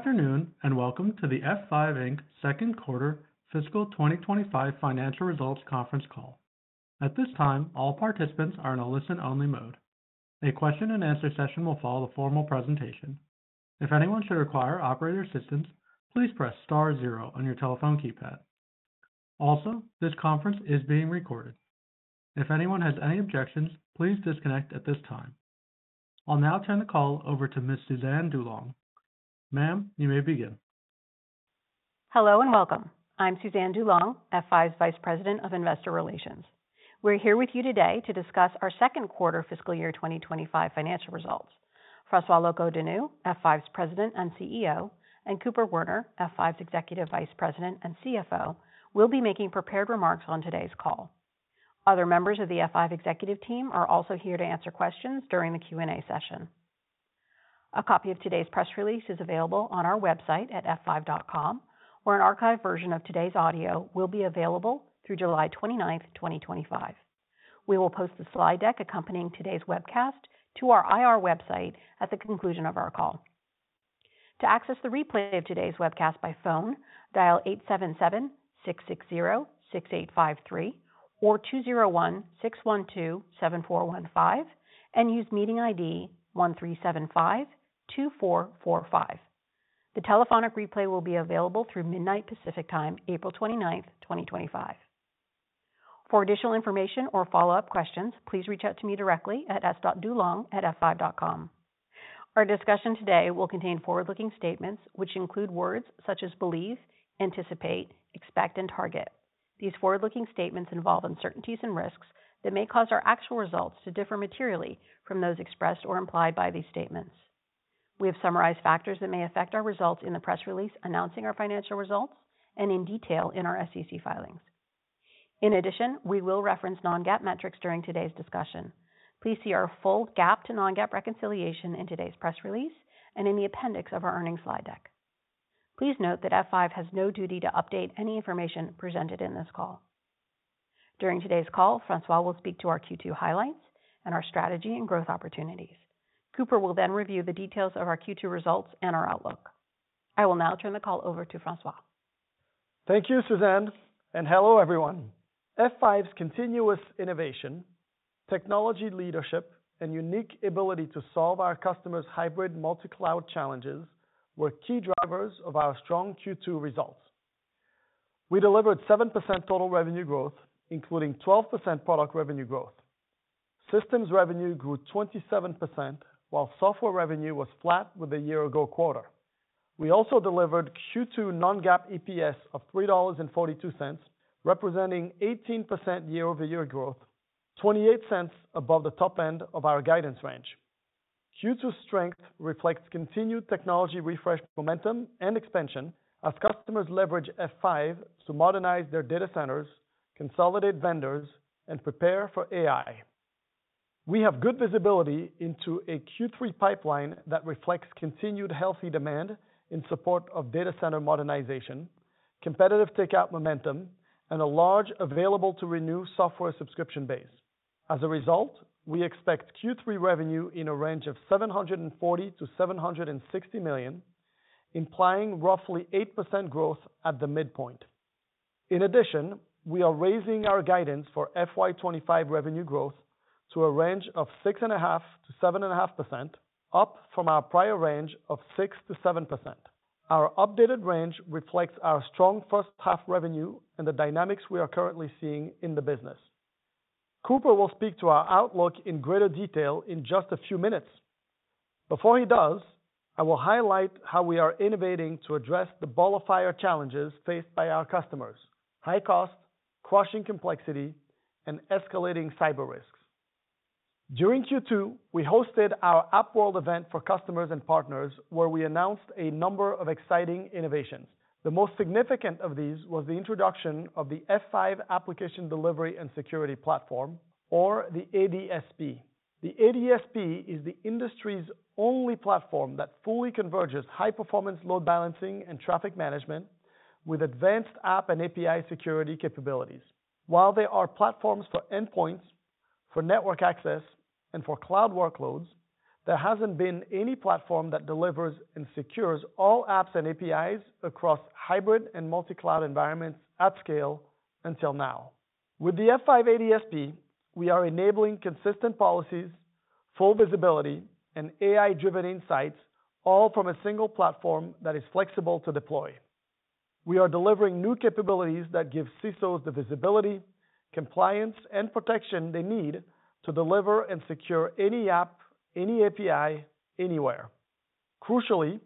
Afternoon, and welcome to the F5 Second Quarter Fiscal 2025 Financial Results Conference Call. At this time, all participants are in a listen-only mode. A question-and-answer session will follow the formal presentation. If anyone should require operator assistance, please press star zero on your telephone keypad. Also, this conference is being recorded. If anyone has any objections, please disconnect at this time. I'll now turn the call over to Ms. Suzanne DuLong. Ma'am, you may begin. Hello and welcome. I'm Suzanne DuLong, F5's Vice President of Investor Relations. We're here with you today to discuss our Second Quarter Fiscal Year 2025 Financial Results. François Locoh-Donou, F5's President and CEO, and Cooper Werner, F5's Executive Vice President and CFO, will be making prepared remarks on today's call. Other members of the F5 executive team are also here to answer questions during the Q&A session. A copy of today's press release is available on our website at f5.com, where an archived version of today's audio will be available through July 29, 2025. We will post the slide deck accompanying today's webcast to our IR website at the conclusion of our call. To access the replay of today's webcast by phone, dial 877-660-6853 or 201-612-7415 and use meeting ID 1375-2445. The telephonic replay will be available through midnight Pacific time, April 29, 2025. For additional information or follow-up questions, please reach out to me directly at s.dulong@f5.com. Our discussion today will contain forward-looking statements which include words such as believe, anticipate, expect, and target. These forward-looking statements involve uncertainties and risks that may cause our actual results to differ materially from those expressed or implied by these statements. We have summarized factors that may affect our results in the press release announcing our financial results and in detail in our SEC filings. In addition, we will reference non-GAAP metrics during today's discussion. Please see our full GAAP to non-GAAP reconciliation in today's press release and in the appendix of our earnings slide deck. Please note that F5 has no duty to update any information presented in this call. During today's call, François will speak to our Q2 highlights and our strategy and growth opportunities. Cooper will then review the details of our Q2 results and our outlook. I will now turn the call over to François. Thank you, Suzanne, and hello, everyone. F5's continuous innovation, technology leadership, and unique ability to solve our customers' hybrid multi-cloud challenges were key drivers of our strong Q2 results. We delivered 7% total revenue growth, including 12% product revenue growth. Systems revenue grew 27%, while software revenue was flat with the year-ago quarter. We also delivered Q2 non-GAAP EPS of $3.42, representing 18% year-over-year growth, $28 above the top end of our guidance range. Q2 strength reflects continued technology refresh momentum and expansion as customers leverage F5 to modernize their data centers, consolidate vendors, and prepare for AI. We have good visibility into a Q3 pipeline that reflects continued healthy demand in support of data center modernization, competitive takeout momentum, and a large available-to-renew software subscription base. As a result, we expect Q3 revenue in a range of $740million-$760 million, implying roughly 8% growth at the midpoint. In addition, we are raising our guidance for FY 2025 revenue growth to a range of 6.5%-7.5%, up from our prior range of 6%-7%. Our updated range reflects our strong first-half revenue and the dynamics we are currently seeing in the business. Cooper will speak to our outlook in greater detail in just a few minutes. Before he does, I will highlight how we are innovating to address the ball of fire challenges faced by our customers: high cost, crushing complexity, and escalating cyber risks. During Q2, we hosted our AppWorld event for customers and partners, where we announced a number of exciting innovations. The most significant of these was the introduction of the F5 Application Delivery and Security Platform, or the ADSP. The ADSP is the industry's only platform that fully converges high-performance load balancing and traffic management with advanced app and API security capabilities. While there are platforms for endpoints, for network access, and for cloud workloads, there has not been any platform that delivers and secures all apps and APIs across hybrid and multi-cloud environments at scale until now. With the F5 ADSP, we are enabling consistent policies, full visibility, and AI-driven insights, all from a single platform that is flexible to deploy. We are delivering new capabilities that give CISOs the visibility, compliance, and protection they need to deliver and secure any app, any API, anywhere. Crucially,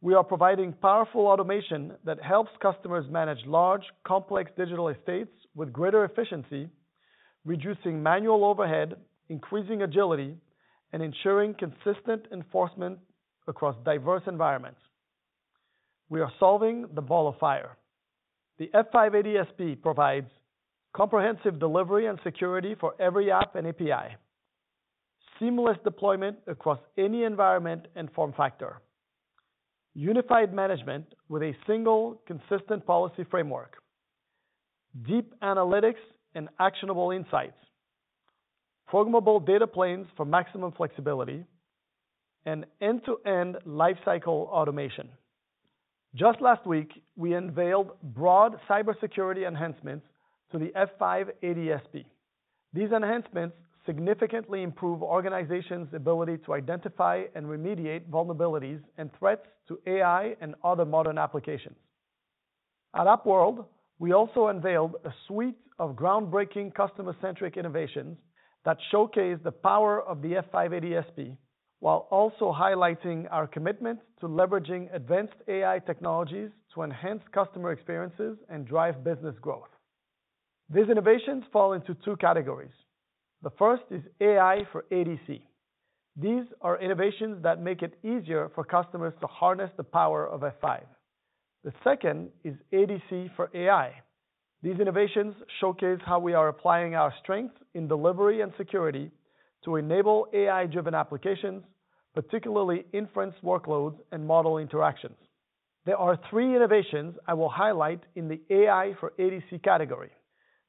we are providing powerful automation that helps customers manage large, complex digital estates with greater efficiency, reducing manual overhead, increasing agility, and ensuring consistent enforcement across diverse environments. We are solving the ball of fire. The F5 ADSP provides comprehensive delivery and security for every app and API, seamless deployment across any environment and form factor, unified management with a single, consistent policy framework, deep analytics and actionable insights, programmable data planes for maximum flexibility, and end-to-end lifecycle automation. Just last week, we unveiled broad cybersecurity enhancements to the F5 ADSP. These enhancements significantly improve organizations' ability to identify and remediate vulnerabilities and threats to AI and other modern applications. At App World, we also unveiled a suite of groundbreaking customer-centric innovations that showcase the power of the F5 ADSP, while also highlighting our commitment to leveraging advanced AI technologies to enhance customer experiences and drive business growth. These innovations fall into two categories. The first is AI for ADC. These are innovations that make it easier for customers to harness the power of F5. The second is ADC for AI. These innovations showcase how we are applying our strengths in delivery and security to enable AI-driven applications, particularly inference workloads and model interactions. There are three innovations I will highlight in the AI for ADC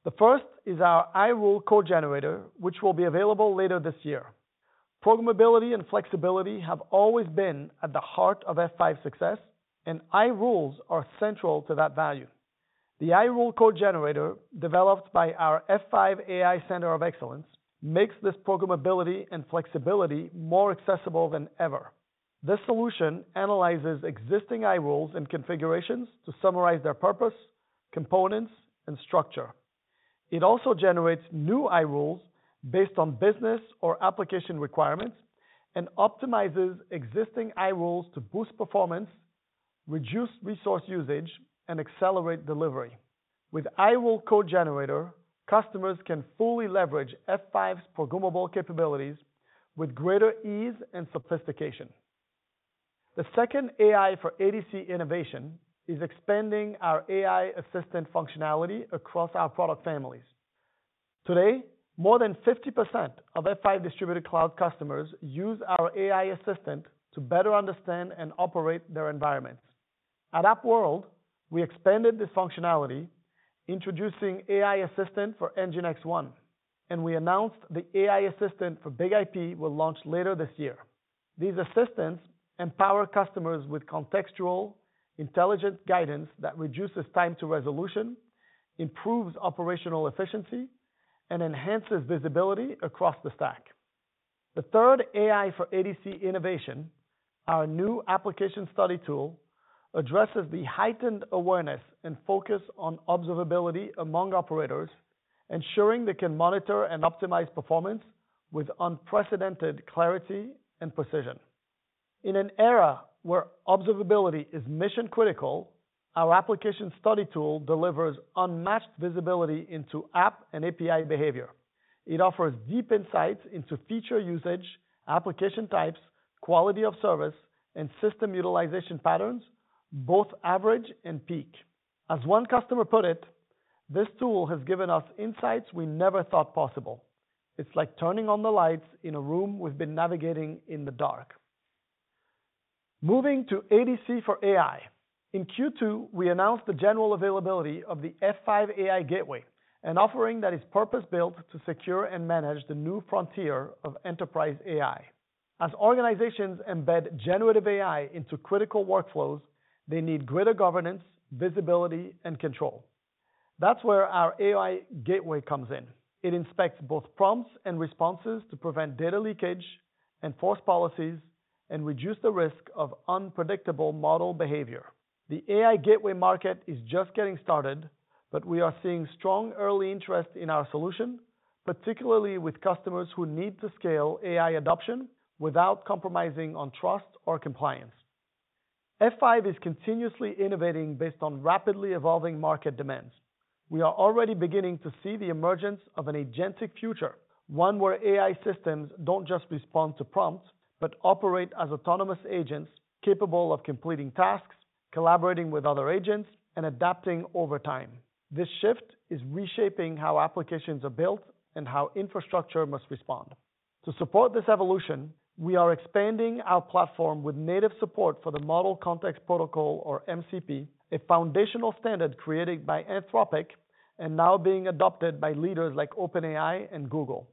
category. The first is our iRules Code Generator, which will be available later this year. Programmability and flexibility have always been at the heart of F5 success, and iRules are central to that value. The iRules Code Generator, developed by our F5 AI Center of Excellence, makes this programmability and flexibility more accessible than ever. This solution analyzes existing iRules and configurations to summarize their purpose, components, and structure. It also generates new iRules based on business or application requirements and optimizes existing iRules to boost performance, reduce resource usage, and accelerate delivery. With iRules Code Generator, customers can fully leverage F5's programmable capabilities with greater ease and sophistication. The second AI for ADC innovation is expanding our AI Assistant functionality across our product families. Today, more than 50% of F5 Distributed Cloud customers use our AI Assistant to better understand and operate their environments. At App World, we expanded this functionality, introducing AI Assistant for NGINX One, and we announced the AI Assistant for BIG-IP will launch later this year. These assistants empower customers with contextual, intelligent guidance that reduces time to resolution, improves operational efficiency, and enhances visibility across the stack. The third AI for ADC innovation, our new Application Study Tool, addresses the heightened awareness and focus on observability among operators, ensuring they can monitor and optimize performance with unprecedented clarity and precision. In an era where observability is mission-critical, our Application Study Tool delivers unmatched visibility into app and API behavior. It offers deep insights into feature usage, application types, quality of service, and system utilization patterns, both average and peak. As one customer put it, this tool has given us insights we never thought possible. It's like turning on the lights in a room we've been navigating in the dark. Moving to ADC for AI. In Q2, we announced the general availability of the F5 AI Gateway, an offering that is purpose-built to secure and manage the new frontier of enterprise AI. As organizations embed generative AI into critical workflows, they need greater governance, visibility, and control. That's where our AI Gateway comes in. It inspects both prompts and responses to prevent data leakage, enforce policies, and reduce the risk of unpredictable model behavior. The AI Gateway market is just getting started, but we are seeing strong early interest in our solution, particularly with customers who need to scale AI adoption without compromising on trust or compliance. F5 is continuously innovating based on rapidly evolving market demands. We are already beginning to see the emergence of an agentic future, one where AI systems do not just respond to prompts, but operate as autonomous agents capable of completing tasks, collaborating with other agents, and adapting over time. This shift is reshaping how applications are built and how infrastructure must respond. To support this evolution, we are expanding our platform with native support for the Model Context Protocol, or MCP, a foundational standard created by Anthropic and now being adopted by leaders like OpenAI and Google.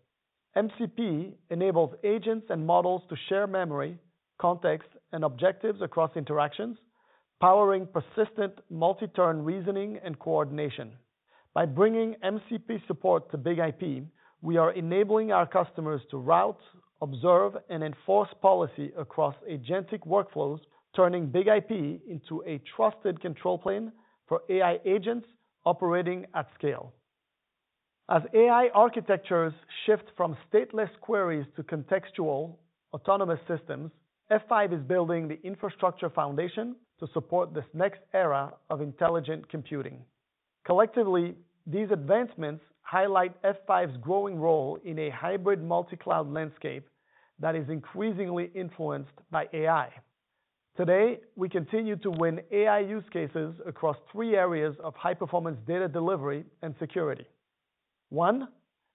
MCP enables agents and models to share memory, context, and objectives across interactions, powering persistent multi-turn reasoning and coordination. By bringing MCP support to BIG-IP, we are enabling our customers to route, observe, and enforce policy across agentic workflows, turning BIG-IP into a trusted control plane for AI agents operating at scale. As AI architectures shift from stateless queries to contextual, autonomous systems, F5 is building the infrastructure foundation to support this next era of intelligent computing. Collectively, these advancements highlight F5's growing role in a hybrid multi-cloud landscape that is increasingly influenced by AI. Today, we continue to win AI use cases across three areas of high-performance data delivery and security. One,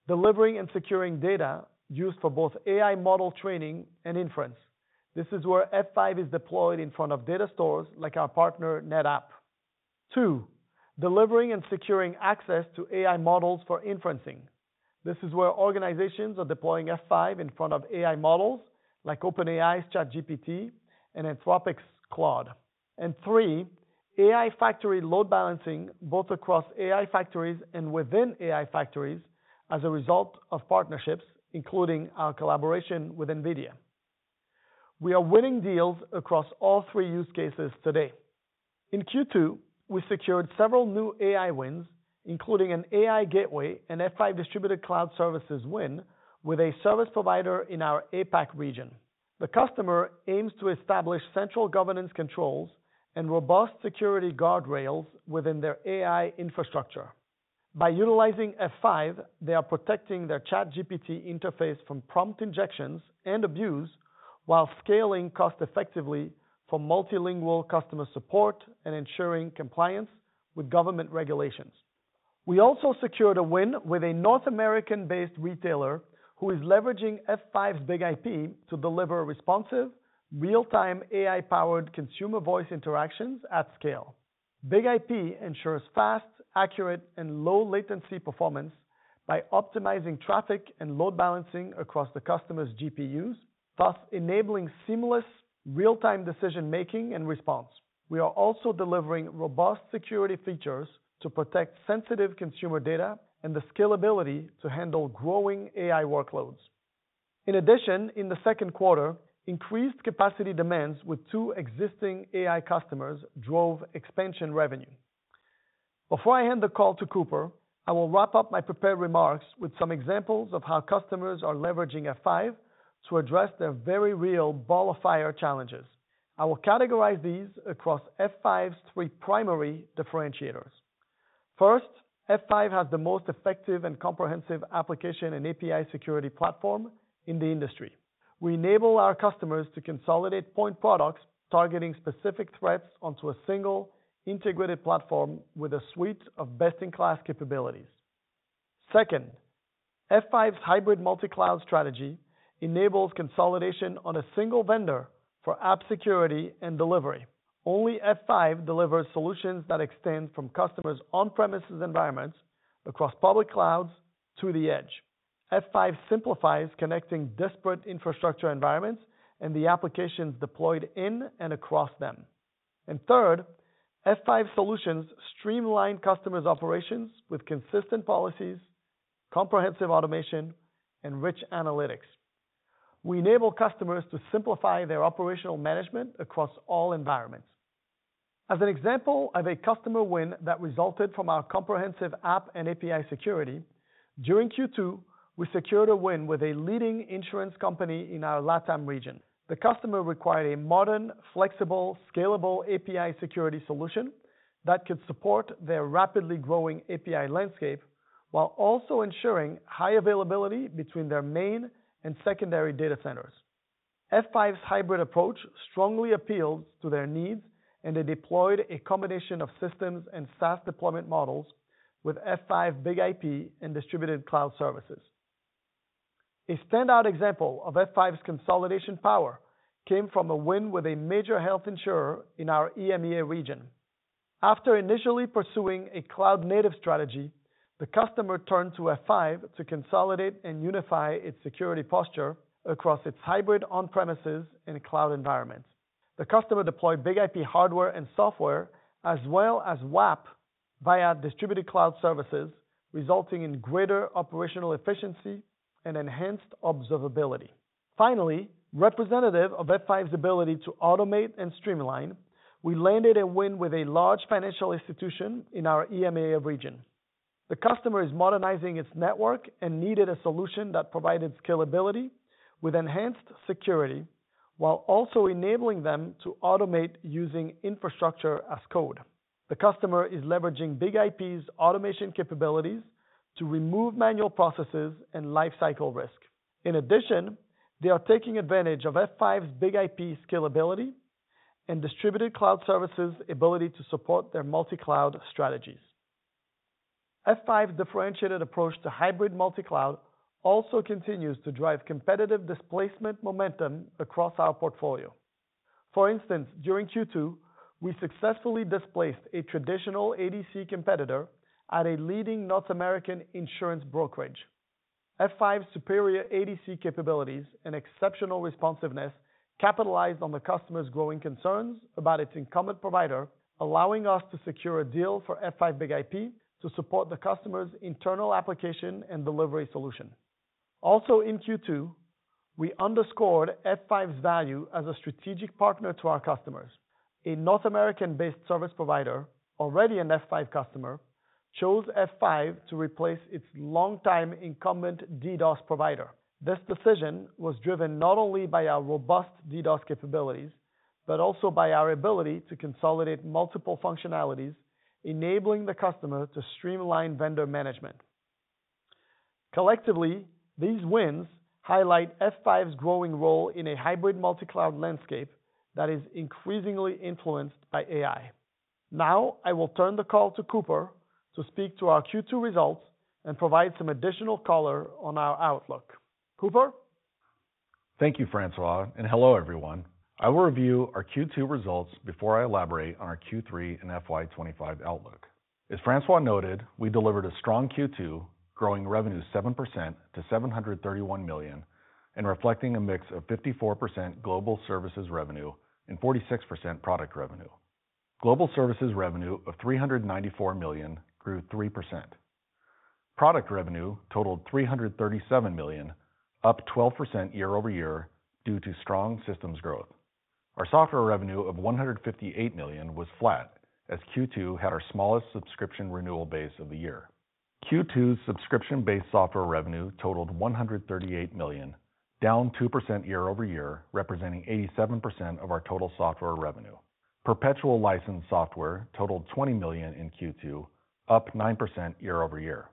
delivering and securing data used for both AI model training and inference. This is where F5 is deployed in front of data stores like our partner NetApp. Two, delivering and securing access to AI models for inferencing. This is where organizations are deploying F5 in front of AI models like OpenAI's ChatGPT and Anthropic's Claude. Three, AI factory load balancing both across AI factories and within AI factories as a result of partnerships, including our collaboration with NVIDIA. We are winning deals across all three use cases today. In Q2, we secured several new AI wins, including an AI Gateway, an F5 Distributed Cloud Services win with a service provider in our APAC region. The customer aims to establish central governance controls and robust security guardrails within their AI infrastructure. By utilizing F5, they are protecting their ChatGPT interface from prompt injections and abuse while scaling cost-effectively for multilingual customer support and ensuring compliance with government regulations. We also secured a win with a North American-based retailer who is leveraging F5's BIG-IP to deliver responsive, real-time AI-powered consumer voice interactions at scale. BIG-IP ensures fast, accurate, and low-latency performance by optimizing traffic and load balancing across the customer's GPUs, thus enabling seamless, real-time decision-making and response. We are also delivering robust security features to protect sensitive consumer data and the scalability to handle growing AI workloads. In addition, in the second quarter, increased capacity demands with two existing AI customers drove expansion revenue. Before I hand the call to Cooper, I will wrap up my prepared remarks with some examples of how customers are leveraging F5 to address their very real ball of fire challenges. I will categorize these across F5's three primary differentiators. First, F5 has the most effective and comprehensive application and API security platform in the industry. We enable our customers to consolidate point products targeting specific threats onto a single integrated platform with a suite of best-in-class capabilities. Second, F5's hybrid multi-cloud strategy enables consolidation on a single vendor for app security and delivery. Only F5 delivers solutions that extend from customers' on-premises environments across public clouds to the edge. F5 simplifies connecting disparate infrastructure environments and the applications deployed in and across them. Third, F5 solutions streamline customers' operations with consistent policies, comprehensive automation, and rich analytics. We enable customers to simplify their operational management across all environments. As an example of a customer win that resulted from our comprehensive app and API security, during Q2, we secured a win with a leading insurance company in our LATAM region. The customer required a modern, flexible, scalable API security solution that could support their rapidly growing API landscape while also ensuring high availability between their main and secondary data centers. F5's hybrid approach strongly appealed to their needs, and they deployed a combination of systems and SaaS deployment models with F5 BIG-IP and Distributed Cloud Services. A standout example of F5's consolidation power came from a win with a major health insurer in our EMEA region. After initially pursuing a cloud-native strategy, the customer turned to F5 to consolidate and unify its security posture across its hybrid on-premises and cloud environments. The customer deployed BIG-IP hardware and software, as well as WAAP via Distributed Cloud Services, resulting in greater operational efficiency and enhanced observability. Finally, representative of F5's ability to automate and streamline, we landed a win with a large financial institution in our EMEA region. The customer is modernizing its network and needed a solution that provided scalability with enhanced security while also enabling them to automate using infrastructure as code. The customer is leveraging BIG-IP's automation capabilities to remove manual processes and lifecycle risk. In addition, they are taking advantage of F5's BIG-IP scalability and Distributed Cloud Services' ability to support their multi-cloud strategies. F5's differentiated approach to hybrid multi-cloud also continues to drive competitive displacement momentum across our portfolio. For instance, during Q2, we successfully displaced a traditional ADC competitor at a leading North American insurance brokerage. F5's superior ADC capabilities and exceptional responsiveness capitalized on the customer's growing concerns about its incumbent provider, allowing us to secure a deal for F5 BIG-IP to support the customer's internal application and delivery solution. Also, in Q2, we underscored F5's value as a strategic partner to our customers. A North American-based service provider, already an F5 customer, chose F5 to replace its longtime incumbent DDoS provider. This decision was driven not only by our robust DDoS capabilities, but also by our ability to consolidate multiple functionalities, enabling the customer to streamline vendor management. Collectively, these wins highlight F5's growing role in a hybrid multi-cloud landscape that is increasingly influenced by AI. Now, I will turn the call to Cooper to speak to our Q2 results and provide some additional color on our outlook. Cooper? Thank you, François, and hello, everyone. I will review our Q2 results before I elaborate on our Q3 and FY 2025 outlook. As François noted, we delivered a strong Q2, growing revenue 7% to $731 million, and reflecting a mix of 54% global services revenue and 46% product revenue. Global services revenue of $394 million grew 3%. Product revenue totaled $337 million, up 12% year-over-year due to strong systems growth. Our software revenue of $158 million was flat as Q2 had our smallest subscription renewal base of the year. Q2's subscription-based software revenue totaled $138 million, down 2% year-over-year, representing 87% of our total software revenue. Perpetual licensed software totaled $20 million in Q2, up 9% year-over-year.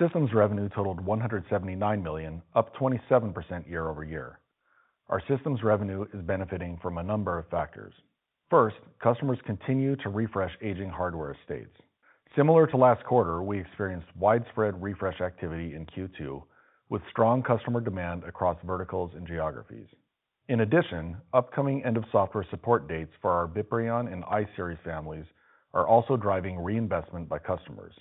Systems revenue totaled $179 million, up 27% year-over-year. Our systems revenue is benefiting from a number of factors. First, customers continue to refresh aging hardware estates. Similar to last quarter, we experienced widespread refresh activity in Q2 with strong customer demand across verticals and geographies. In addition, upcoming end-of-software support dates for our VIPRION and iSeries families are also driving reinvestment by customers.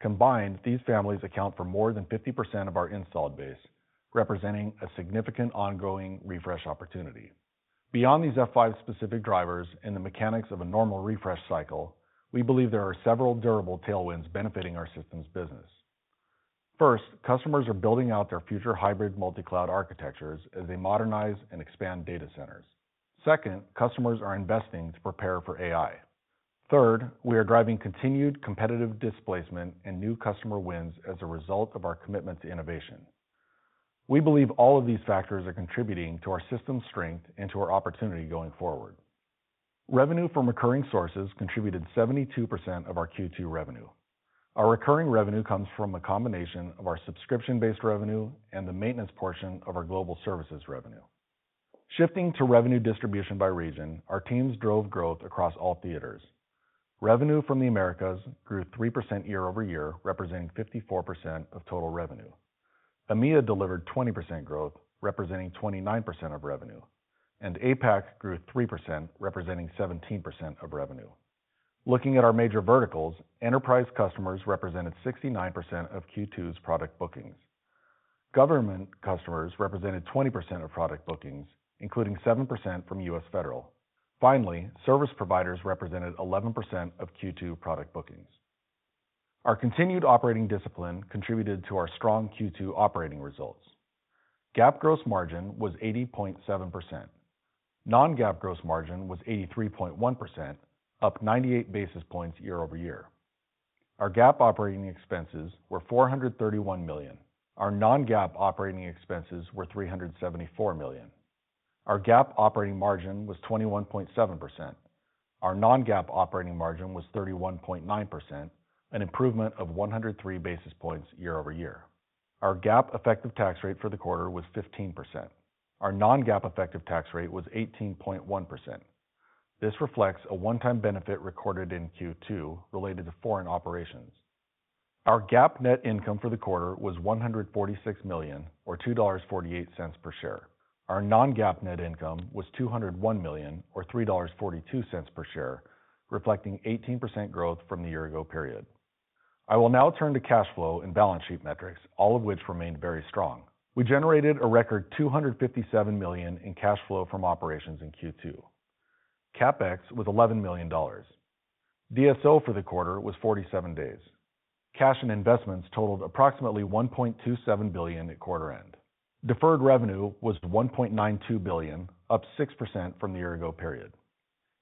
Combined, these families account for more than 50% of our installed base, representing a significant ongoing refresh opportunity. Beyond these F5-specific drivers and the mechanics of a normal refresh cycle, we believe there are several durable tailwinds benefiting our systems business. First, customers are building out their future hybrid multi-cloud architectures as they modernize and expand data centers. Second, customers are investing to prepare for AI. Third, we are driving continued competitive displacement and new customer wins as a result of our commitment to innovation. We believe all of these factors are contributing to our systems strength and to our opportunity going forward. Revenue from recurring sources contributed 72% of our Q2 revenue. Our recurring revenue comes from a combination of our subscription-based revenue and the maintenance portion of our global services revenue. Shifting to revenue distribution by region, our teams drove growth across all theaters. Revenue from the Americas grew 3% year-over-year, representing 54% of total revenue. EMEA delivered 20% growth, representing 29% of revenue, and APAC grew 3%, representing 17% of revenue. Looking at our major verticals, enterprise customers represented 69% of Q2's product bookings. Government customers represented 20% of product bookings, including 7% from US Federal. Finally, service providers represented 11% of Q2 product bookings. Our continued operating discipline contributed to our strong Q2 operating results. GAAP gross margin was 80.7%. Non-GAAP gross margin was 83.1%, up 98 basis points year-over-year. Our GAAP operating expenses were $431 million. Our non-GAAP operating expenses were $374 million. Our GAAP operating margin was 21.7%. Our non-GAAP operating margin was 31.9%, an improvement of 103 basis points year-over-year. Our GAAP effective tax rate for the quarter was 15%. Our non-GAAP effective tax rate was 18.1%. This reflects a one-time benefit recorded in Q2 related to foreign operations. Our GAAP net income for the quarter was $146 million, or $2.48 per share. Our non-GAAP net income was $201 million, or $3.42 per share, reflecting 18% growth from the year-ago period. I will now turn to cash flow and balance sheet metrics, all of which remained very strong. We generated a record $257 million in cash flow from operations in Q2. CapEx was $11 million. DSO for the quarter was 47 days. Cash and investments totaled approximately $1.27 billion at quarter end. Deferred revenue was $1.92 billion, up 6% from the year-ago period.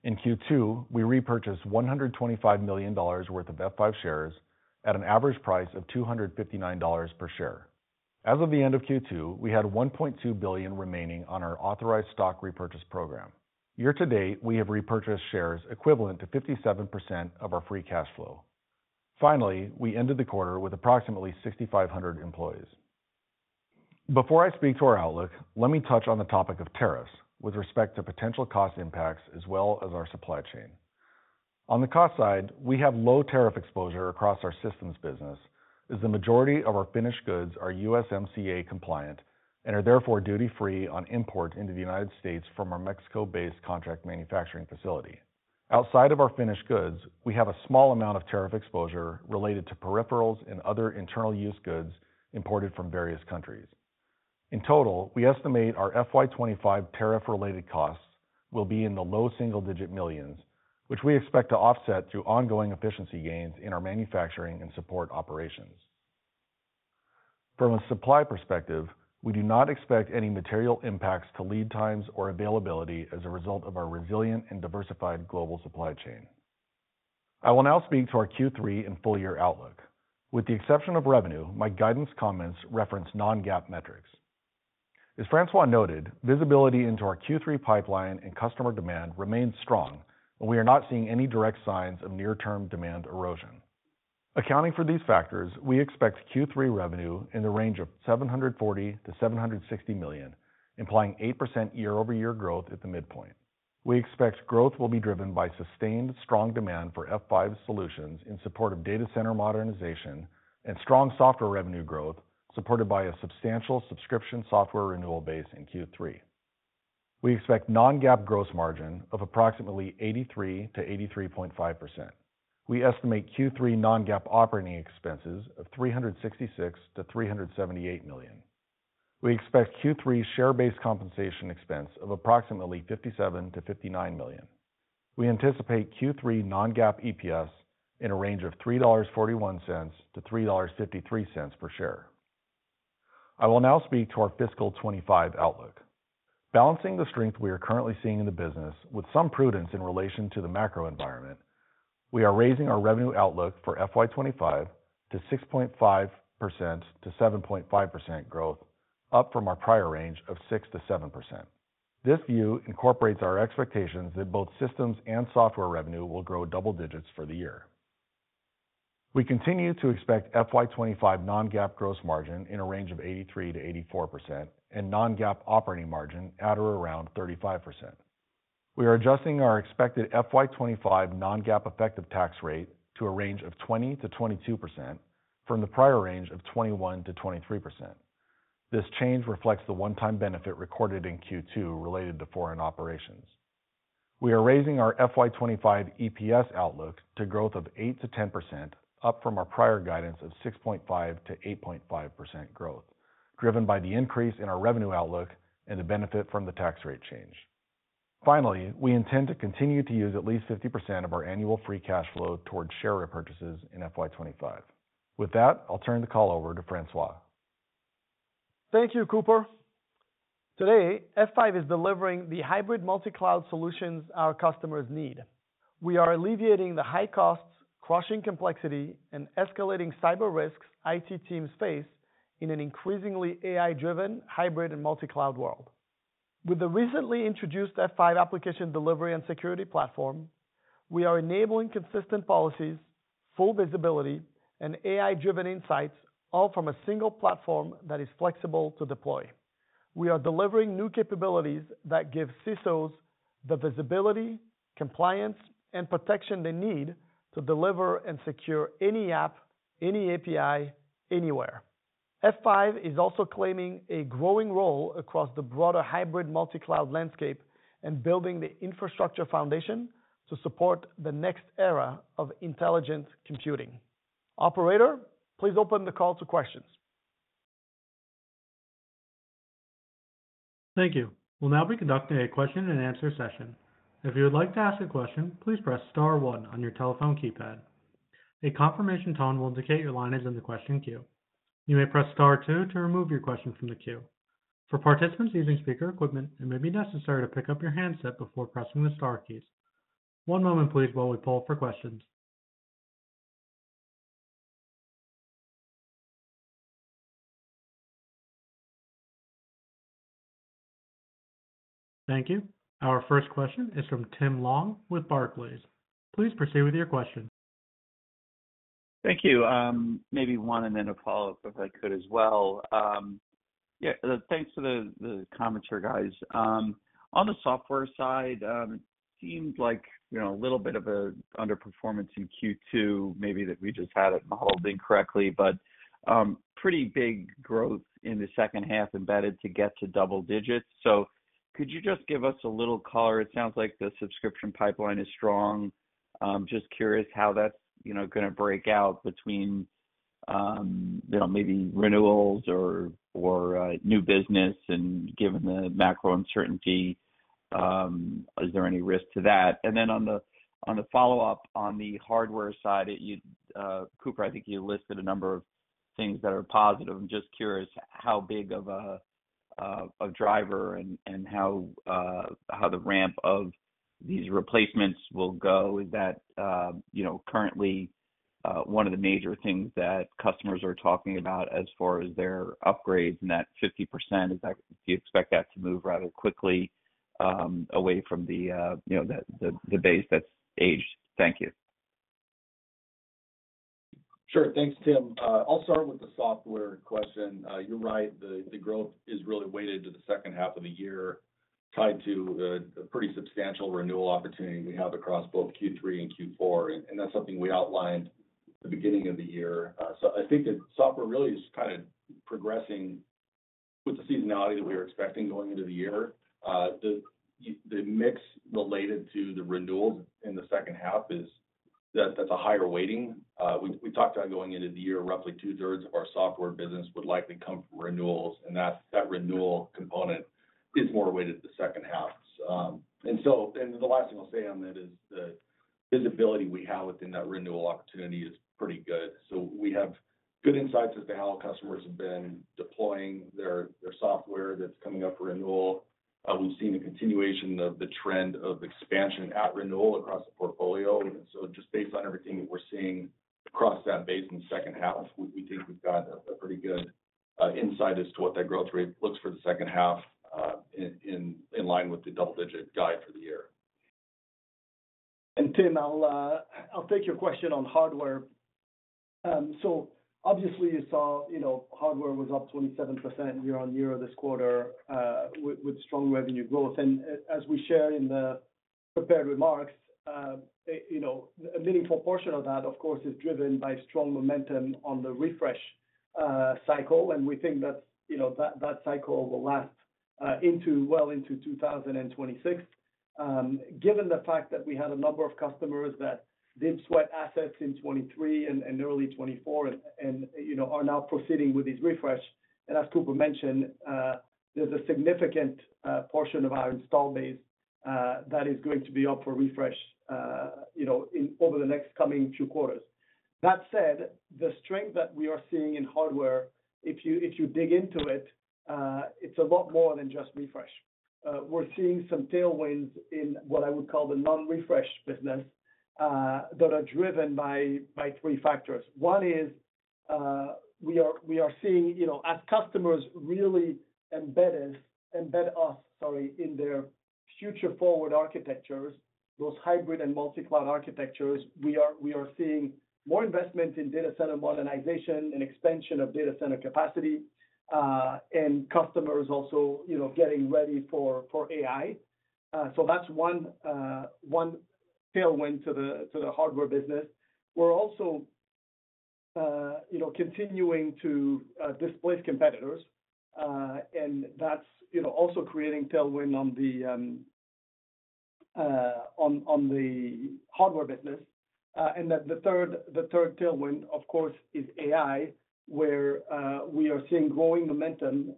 In Q2, we repurchased $125 million worth of F5 shares at an average price of $259 per share. As of the end of Q2, we had $1.2 billion remaining on our authorized stock repurchase program. Year to date, we have repurchased shares equivalent to 57% of our free cash flow. Finally, we ended the quarter with approximately 6,500 employees. Before I speak to our outlook, let me touch on the topic of tariffs with respect to potential cost impacts as well as our supply chain. On the cost side, we have low tariff exposure across our systems business as the majority of our finished goods are USMCA compliant and are therefore duty-free on import into the United States from our Mexico-based contract manufacturing facility. Outside of our finished goods, we have a small amount of tariff exposure related to peripherals and other internal use goods imported from various countries. In total, we estimate our FY 2025 tariff-related costs will be in the low single-digit millions, which we expect to offset through ongoing efficiency gains in our manufacturing and support operations. From a supply perspective, we do not expect any material impacts to lead times or availability as a result of our resilient and diversified global supply chain. I will now speak to our Q3 and full-year outlook. With the exception of revenue, my guidance comments reference non-GAAP metrics. As François noted, visibility into our Q3 pipeline and customer demand remains strong, and we are not seeing any direct signs of near-term demand erosion. Accounting for these factors, we expect Q3 revenue in the range of $740 million-$760 million, implying 8% year-over-year growth at the midpoint. We expect growth will be driven by sustained strong demand for F5 solutions in support of data center modernization and strong software revenue growth supported by a substantial subscription software renewal base in Q3. We expect non-GAAP gross margin of approximately 83%-83.5%. We estimate Q3 non-GAAP operating expenses of $366million-$378 million. We expect Q3 share-based compensation expense of approximately $57million-$59 million. We anticipate Q3 non-GAAP EPS in a range of $3.41-$3.53 per share. I will now speak to our fiscal 2025 outlook. Balancing the strength, we are currently seeing in the business with some prudence in relation to the macro environment, we are raising our revenue outlook for FY 2025 to 6.5%-7.5% growth, up from our prior range of 6%-7%. This view incorporates our expectations that both systems and software revenue will grow double digits for the year. We continue to expect FY 2025 non-GAAP gross margin in a range of 83%-84% and non-GAAP operating margin at or around 35%. We are adjusting our expected FY 2025 non-GAAP effective tax rate to a range of 20%-22% from the prior range of 21%-23%. This change reflects the one-time benefit recorded in Q2 related to foreign operations. We are raising our FY 2025 EPS outlook to growth of 8%-10%, up from our prior guidance of 6.5%-8.5% growth, driven by the increase in our revenue outlook and the benefit from the tax rate change. Finally, we intend to continue to use at least 50% of our annual free cash flow towards share repurchases in FY 2025. With that, I'll turn the call over to François. Thank you, Cooper. Today, F5 is delivering the hybrid multi-cloud solutions our customers need. We are alleviating the high costs, crushing complexity, and escalating cyber risks IT teams face in an increasingly AI-driven hybrid and multi-cloud world. With the recently introduced F5 Application Delivery and Security Platform, we are enabling consistent policies, full visibility, and AI-driven insights, all from a single platform that is flexible to deploy. We are delivering new capabilities that give CISOs the visibility, compliance, and protection they need to deliver and secure any app, any API, anywhere. F5 is also claiming a growing role across the broader hybrid multi-cloud landscape and building the infrastructure foundation to support the next era of intelligent computing. Operator, please open the call to questions. Thank you. We'll now be conducting a question-and-answer session. If you would like to ask a question, please press star one on your telephone keypad. A confirmation tone will indicate your line is in the question queue. You may press star two to remove your question from the queue. For participants using speaker equipment, it may be necessary to pick up your handset before pressing the star keys. One moment, please, while we pull up for questions. Thank you. Our first question is from Tim Long with Barclays. Please proceed with your question. Thank you. Maybe one and then a follow-up if I could as well. Yeah, thanks for the commentary, guys. On the software side, it seems like a little bit of an underperformance in Q2, maybe that we just had it modeled incorrectly, but pretty big growth in the second half embedded to get to double digits. Could you just give us a little color? It sounds like the subscription pipeline is strong. Just curious how that's going to break out between maybe renewals or new business, and given the macro uncertainty, is there any risk to that? Then on the follow-up on the hardware side, Cooper, I think you listed a number of things that are positive. I'm just curious how big of a driver and how the ramp of these replacements will go. Is that currently one of the major things that customers are talking about as far as their upgrades and that 50%? Do you expect that to move rather quickly away from the base that's aged? Thank you. Sure. Thanks, Tim. I'll start with the software question. You're right. The growth is really weighted to the second half of the year, tied to a pretty substantial renewal opportunity we have across both Q3 and Q4. That is something we outlined at the beginning of the year. I think that software really is kind of progressing with the seasonality that we were expecting going into the year. The mix related to the renewals in the second half is that that's a higher weighting. We talked about going into the year, roughly two-thirds of our software business would likely come from renewals, and that renewal component is more weighted to the second half. The last thing I'll say on that is the visibility we have within that renewal opportunity is pretty good. We have good insights as to how customers have been deploying their software that's coming up for renewal. We've seen a continuation of the trend of expansion at renewal across the portfolio. Just based on everything that we're seeing across that base in the second half, we think we've got a pretty good insight as to what that growth rate looks for the second half in line with the double-digit guide for the year. Tim, I'll take your question on hardware. Obviously, you saw hardware was up 27% year-on-year this quarter with strong revenue growth. As we shared in the prepared remarks, a meaningful portion of that, of course, is driven by strong momentum on the refresh cycle. We think that that cycle will last well into 2026, given the fact that we had a number of customers that did sweat assets in 2023 and early 2024 and are now proceeding with these refreshes. As Cooper mentioned, there's a significant portion of our install base that is going to be up for refresh over the next coming few quarters. That said, the strength that we are seeing in hardware, if you dig into it, it's a lot more than just refresh. We're seeing some tailwinds in what I would call the non-refresh business that are driven by three factors. One is we are seeing, as customers really embed us, sorry, in their future-forward architectures, those hybrid and multi-cloud architectures, we are seeing more investment in data center modernization and expansion of data center capacity, and customers also getting ready for AI. That is one tailwind to the hardware business. We are also continuing to displace competitors, and that is also creating tailwind on the hardware business. The third tailwind, of course, is AI, where we are seeing growing momentum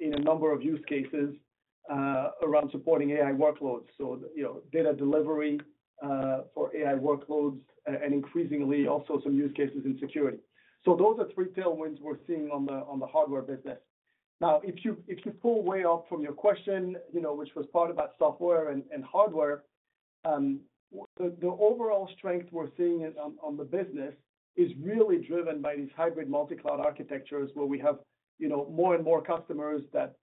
in a number of use cases around supporting AI workloads. Data delivery for AI workloads and increasingly also some use cases in security. Those are three tailwinds we are seeing on the hardware business. Now, if you pull way up from your question, which was part about software and hardware, the overall strength we're seeing on the business is really driven by these hybrid multi-cloud architectures where we have more and more customers that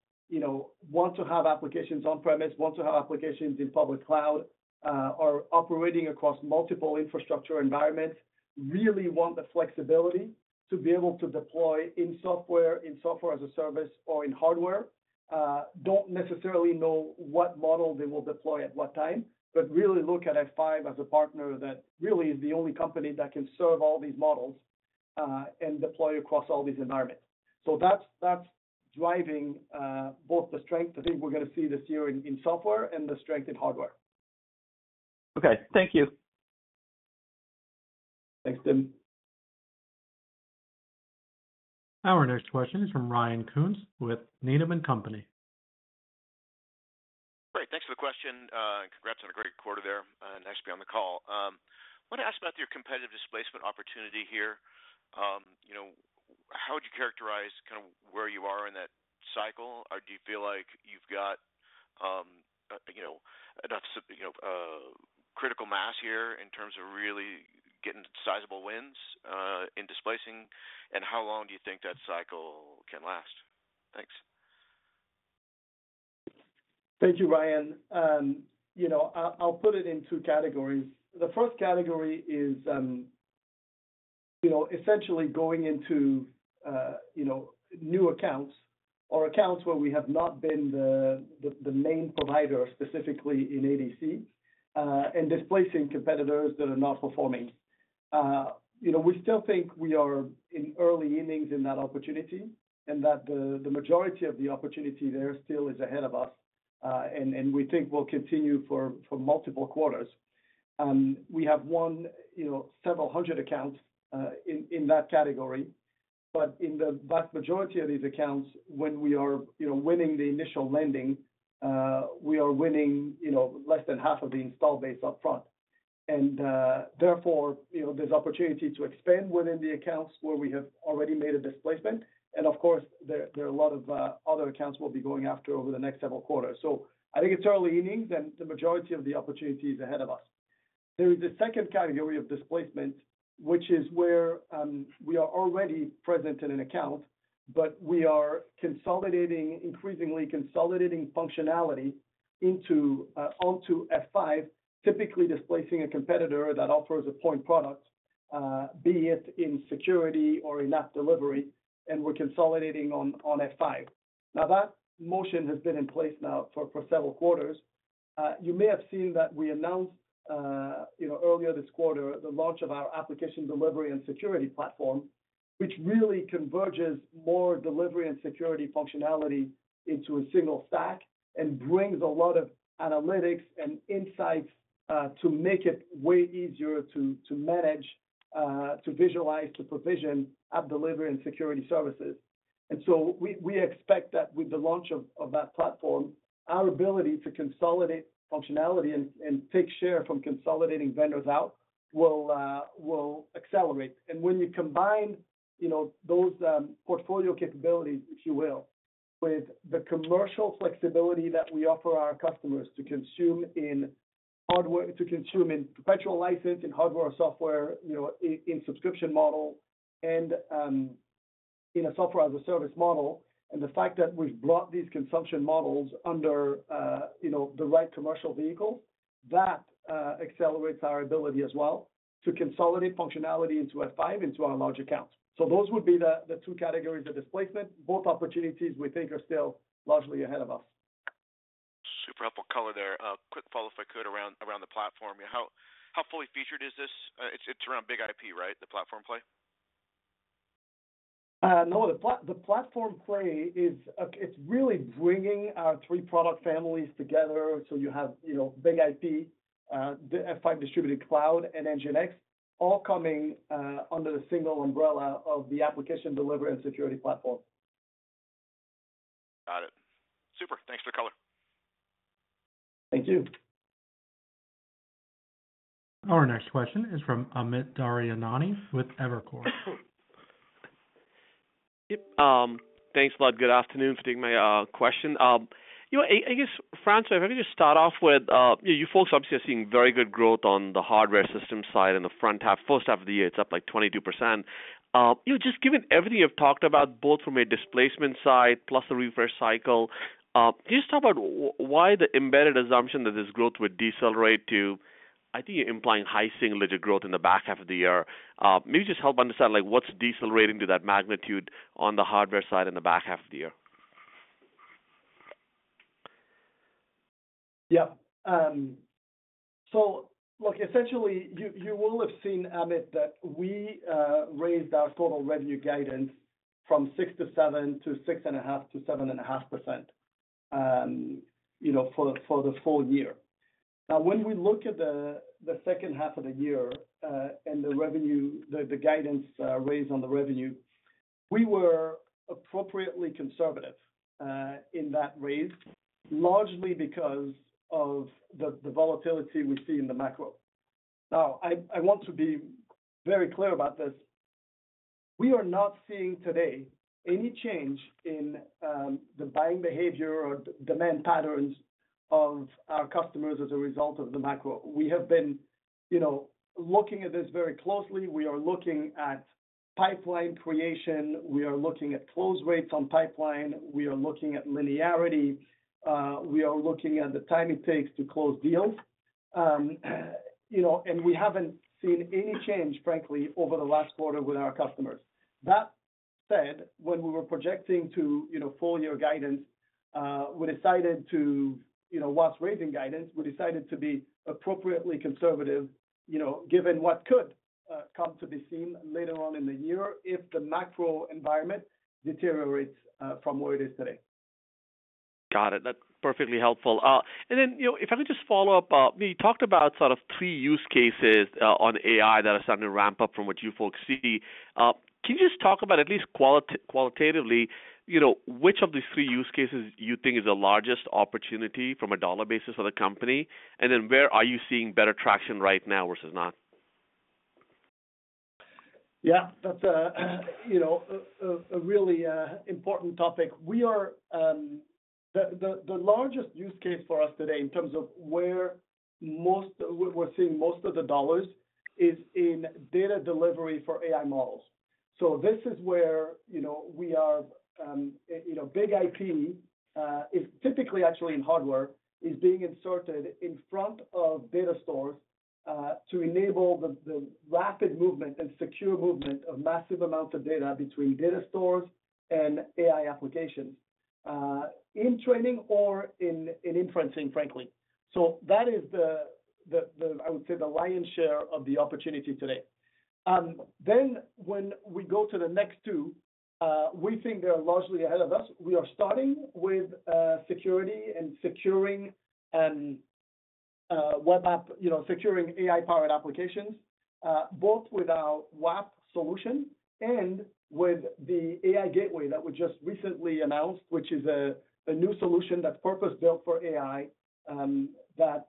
want to have applications on-premise, want to have applications in public cloud, are operating across multiple infrastructure environments, really want the flexibility to be able to deploy in software, in software as a service, or in hardware. Don't necessarily know what model they will deploy at what time, but really look at F5 as a partner that really is the only company that can serve all these models and deploy across all these environments. That's driving both the strength I think we're going to see this year in software and the strength in hardware. Okay. Thank you. Thanks, Tim. Our next question is from Ryan Koontz with Needham & Company. Great. Thanks for the question. Congrats on a great quarter there. Nice to be on the call. I want to ask about your competitive displacement opportunity here. How would you characterize kind of where you are in that cycle? Do you feel like you've got enough critical mass here in terms of really getting sizable wins in displacing? How long do you think that cycle can last? Thanks. Thank you, Ryan. I'll put it in two categories. The first category is essentially going into new accounts or accounts where we have not been the main provider specifically in ADC and displacing competitors that are not performing. We still think we are in early innings in that opportunity and that the majority of the opportunity there still is ahead of us, and we think we'll continue for multiple quarters. We have won several hundred accounts in that category, but in the vast majority of these accounts, when we are winning the initial lending, we are winning less than half of the install base upfront. Therefore, there's opportunity to expand within the accounts where we have already made a displacement. Of course, there are a lot of other accounts we'll be going after over the next several quarters. I think it's early innings and the majority of the opportunity is ahead of us. There is a second category of displacement, which is where we are already present in an account, but we are increasingly consolidating functionality onto F5, typically displacing a competitor that offers a point product, be it in security or in app delivery, and we're consolidating on F5. That motion has been in place now for several quarters. You may have seen that we announced earlier this quarter the launch of our Application Delivery and Security Platform, which really converges more delivery and security functionality into a single stack and brings a lot of analytics and insights to make it way easier to manage, to visualize, to provision app delivery and security services. We expect that with the launch of that platform, our ability to consolidate functionality and take share from consolidating vendors out will accelerate. When you combine those portfolio capabilities, if you will, with the commercial flexibility that we offer our customers to consume in perpetual license in hardware or software, in subscription model, and in a software as a service model, and the fact that we've brought these consumption models under the right commercial vehicles, that accelerates our ability as well to consolidate functionality into F5, into our large accounts. Those would be the two categories of displacement. Both opportunities, we think, are still largely ahead of us. Super helpful color there. Quick follow-up if I could around the platform. How fully featured is this? It's around BIG-IP, right? The platform play? No, the platform play is really bringing our three product families together. So you have BIG-IP, F5 Distributed Cloud, and NGINX, all coming under the single umbrella of the Application Delivery and Security Platform. Got it. Super. Thanks for the color. Thank you. Our next question is from Amit Daryanani with Evercore. Thanks, a lot. Good afternoon. Thanks for taking my question. I guess, François, if I could just start off with you folks obviously are seeing very good growth on the hardware system side in the front half. First half of the year, it's up like 22%. Just given everything you've talked about, both from a displacement side plus the refresh cycle, can you just talk about why the embedded assumption that this growth would decelerate to, I think you're implying high single-digit growth in the back half of the year? Maybe just help understand what's decelerating to that magnitude on the hardware side in the back half of the year? Yep. Look, essentially, you will have seen, Amit, that we raised our total revenue guidance from 6-7% to 6.5-7.5% for the full year. Now, when we look at the second half of the year and the guidance raise on the revenue, we were appropriately conservative in that raise, largely because of the volatility we see in the macro. I want to be very clear about this. We are not seeing today any change in the buying behavior or demand patterns of our customers as a result of the macro. We have been looking at this very closely. We are looking at pipeline creation. We are looking at close rates on pipeline. We are looking at linearity. We are looking at the time it takes to close deals. We have not seen any change, frankly, over the last quarter with our customers. That said, when we were projecting to full-year guidance, we decided to, whilst raising guidance, be appropriately conservative given what could come to be seen later on in the year if the macro environment deteriorates from where it is today. Got it. That is perfectly helpful. If I could just follow up, you talked about sort of three use cases on AI that are starting to ramp up from what you folks see. Can you just talk about at least qualitatively which of these three use cases you think is the largest opportunity from a dollar basis for the company? Where are you seeing better traction right now versus not? Yeah. That's a really important topic. The largest use case for us today in terms of where we're seeing most of the dollars is in data delivery for AI models. This is where our BIG-IP is typically actually in hardware, being inserted in front of data stores to enable the rapid movement and secure movement of massive amounts of data between data stores and AI applications in training or in inferencing, frankly. That is, I would say, the lion's share of the opportunity today. When we go to the next two, we think they're largely ahead of us. We are starting with security and securing web app, securing AI-powered applications, both with our WAP solution and with the AI Gateway that we just recently announced, which is a new solution that's purpose-built for AI that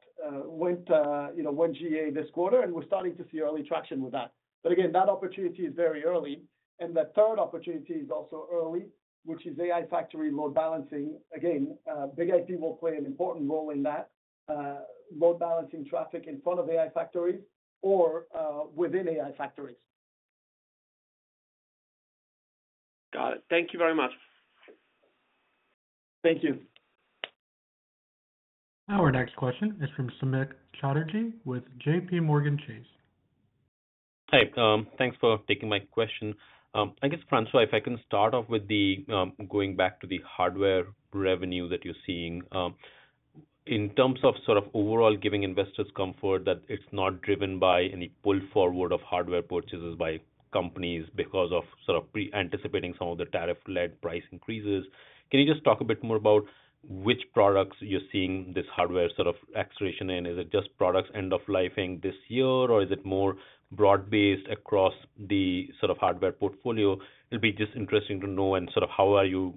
went 1GA this quarter, and we're starting to see early traction with that. Again, that opportunity is very early. The third opportunity is also early, which is AI factory load balancing. Again, BIG-IP will play an important role in that load balancing traffic in front of AI factories or within AI factories. Got it. Thank you very much. Thank you. Our next question is from Samik Chatterjee with JPMorgan Chase. Hi. Thanks for taking my question. I guess, Frans, if I can start off with the going back to the hardware revenue that you're seeing in terms of sort of overall giving investors comfort that it's not driven by any pull forward of hardware purchases by companies because of sort of pre-anticipating some of the tariff-led price increases. Can you just talk a bit more about which products you're seeing this hardware sort of acceleration in? Is it just products end-of-lifing this year, or is it more broad-based across the sort of hardware portfolio? It'll be just interesting to know. And sort of how are you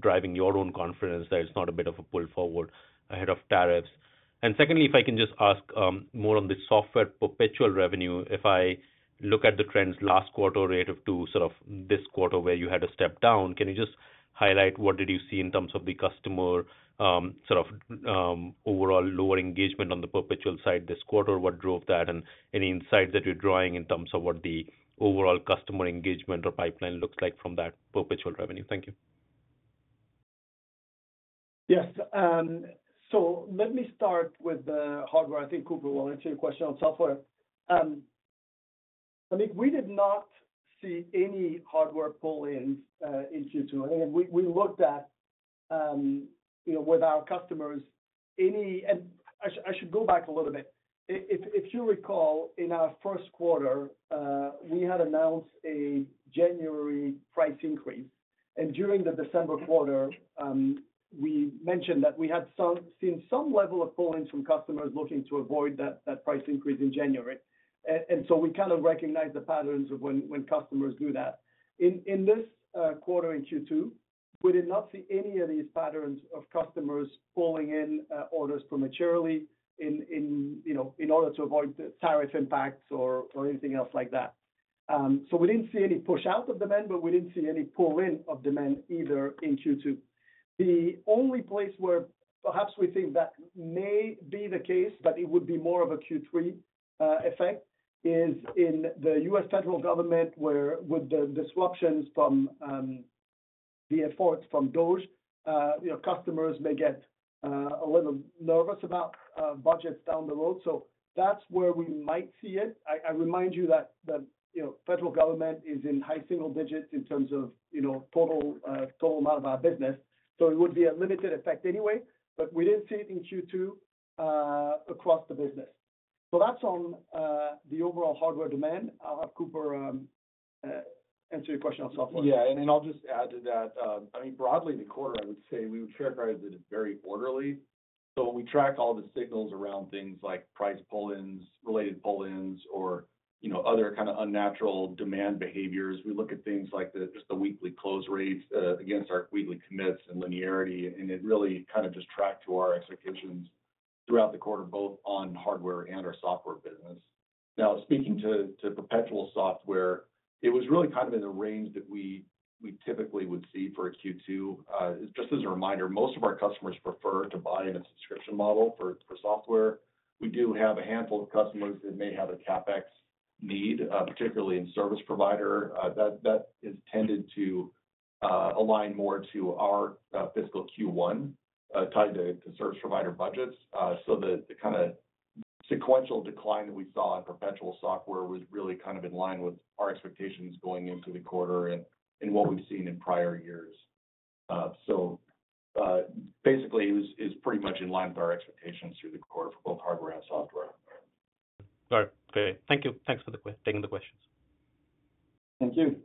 driving your own confidence that it's not a bit of a pull forward ahead of tariffs? Secondly, if I can just ask more on the software perpetual revenue, if I look at the trends last quarter relative to sort of this quarter where you had a step down, can you just highlight what did you see in terms of the customer sort of overall lower engagement on the perpetual side this quarter? What drove that? Any insights that you're drawing in terms of what the overall customer engagement or pipeline looks like from that perpetual revenue? Thank you. Yes. Let me start with the hardware. I think Cooper will answer your question on software. I mean, we did not see any hardware pull-ins into 2020. We looked at, with our customers, any—I should go back a little bit. If you recall, in our first quarter, we had announced a January price increase. During the December quarter, we mentioned that we had seen some level of pull-ins from customers looking to avoid that price increase in January. We kind of recognized the patterns of when customers do that. In this quarter, in Q2, we did not see any of these patterns of customers pulling in orders prematurely in order to avoid tariff impacts or anything else like that. We did not see any push-out of demand, but we did not see any pull-in of demand either in Q2. The only place where perhaps we think that may be the case, but it would be more of a Q3 effect, is in the U.S. federal government, where with the disruptions from the efforts from DOGE, customers may get a little nervous about budgets down the road. That is where we might see it. I remind you that the federal government is in high single digits in terms of total amount of our business. It would be a limited effect anyway, but we didn't see it in Q2 across the business. That's on the overall hardware demand. I'll have Cooper answer your question on software. Yeah. I'll just add to that. I mean, broadly, the quarter, I would say we would characterize it as very orderly. We track all the signals around things like price pull-ins, related pull-ins, or other kind of unnatural demand behaviors. We look at things like just the weekly close rates against our weekly commits and linearity, and it really kind of just tracked to our expectations throughout the quarter, both on hardware and our software business. Now, speaking to perpetual software, it was really kind of in the range that we typically would see for Q2. Just as a reminder, most of our customers prefer to buy in a subscription model for software. We do have a handful of customers that may have a CapEx need, particularly in service provider. That has tended to align more to our fiscal Q1 tied to service provider budgets. The kind of sequential decline that we saw in perpetual software was really kind of in line with our expectations going into the quarter and what we've seen in prior years. Basically, it was pretty much in line with our expectations through the quarter for both hardware and software. All right. Okay. Thank you. Thanks for taking the questions. Thank you.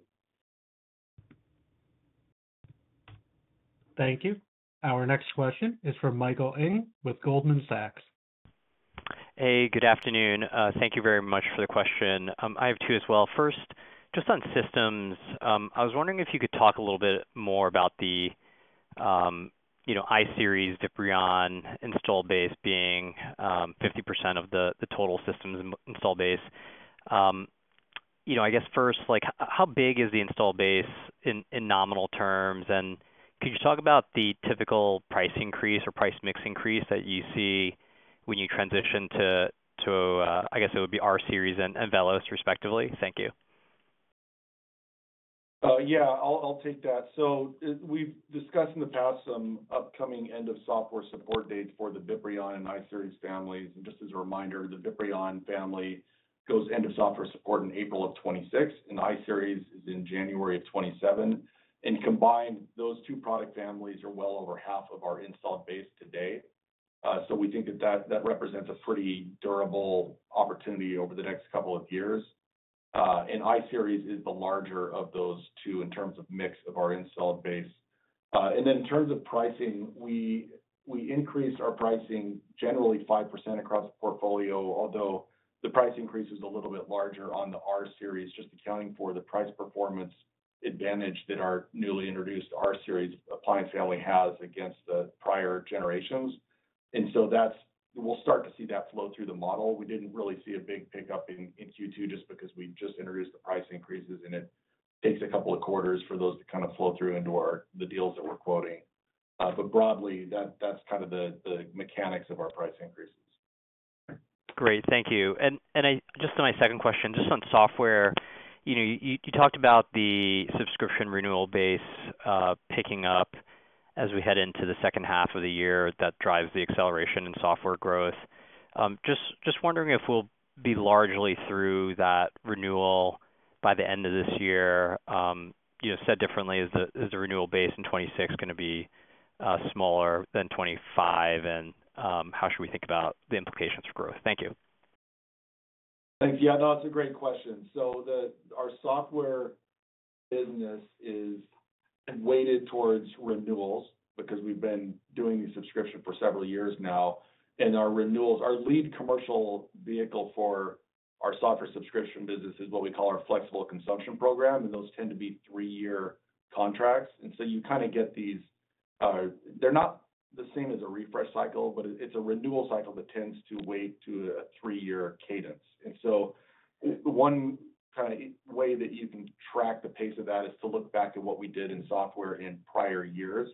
Thank you. Our next question is from Michael Ng with Goldman Sachs. Hey, good afternoon. Thank you very much for the question. I have two as well. First, just on systems, I was wondering if you could talk a little bit more about the iSeries and VIPRION install base being 50% of the total systems install base. I guess first, how big is the install base in nominal terms? Could you talk about the typical price increase or price mix increase that you see when you transition to, I guess it would be rSeries and VELOS, respectively? Thank you. Yeah. I'll take that. We have discussed in the past some upcoming end-of-software support dates for the VIPRION and iSeries families. Just as a reminder, the VIPRION family goes end-of-software support in April of 2026, and iSeries is in January of 2027. Combined, those two product families are well over half of our install base today. We think that that represents a pretty durable opportunity over the next couple of years. iSeries is the larger of those two in terms of mix of our install base. In terms of pricing, we increased our pricing generally 5% across the portfolio, although the price increase was a little bit larger on the rSeries, just accounting for the price performance advantage that our newly introduced rSeries appliance family has against the prior generations. We will start to see that flow through the model. We did not really see a big pickup in Q2 just because we just introduced the price increases, and it takes a couple of quarters for those to kind of flow through into the deals that we are quoting. Broadly, that is kind of the mechanics of our price increases. Great. Thank you. Just my second question, just on software, you talked about the subscription renewal base picking up as we head into the second half of the year that drives the acceleration in software growth. Just wondering if we'll be largely through that renewal by the end of this year. Said differently, is the renewal base in 2026 going to be smaller than 2025? And how should we think about the implications for growth? Thank you. Thanks. Yeah. No, that's a great question. Our software business is weighted towards renewals because we've been doing the subscription for several years now. Our lead commercial vehicle for our software subscription business is what we call our Flexible Consumption Program, and those tend to be three-year contracts. You kind of get these—they're not the same as a refresh cycle, but it's a renewal cycle that tends to wait to a three-year cadence. One kind of way that you can track the pace of that is to look back at what we did in software in prior years.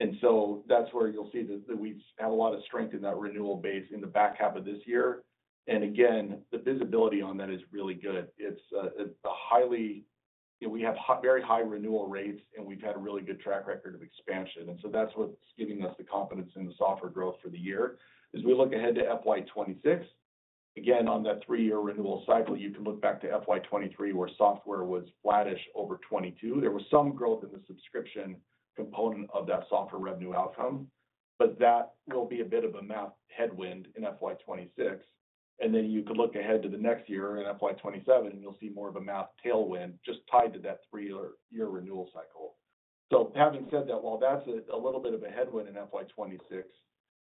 That's where you'll see that we've had a lot of strength in that renewal base in the back half of this year. The visibility on that is really good. We have very high renewal rates, and we've had a really good track record of expansion. That's what's giving us the confidence in the software growth for the year. As we look ahead to fiscal year 2026, again, on that three-year renewal cycle, you can look back to fiscal year 2023, where software was flattish over 2022. There was some growth in the subscription component of that software revenue outcome, but that will be a bit of a math headwind in FY 2026. You could look ahead to the next year in FY 2027, and you'll see more of a math tailwind just tied to that three-year renewal cycle. Having said that, while that's a little bit of a headwind in FY 2026,